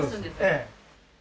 ええ。